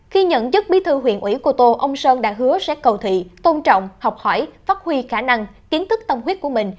khi nhận chức bí thư huyện ủy cô tô ông sơn đã hứa sẽ cầu thị tôn trọng học hỏi phát huy khả năng kiến thức tâm huyết của mình